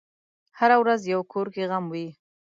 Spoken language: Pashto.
هره ورځ یو کور کې غم وي.